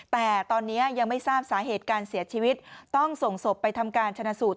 แต่ตอนนี้ยังไม่ทราบสาเหตุการเสียชีวิตต้องส่งศพไปทำการชนะสูตร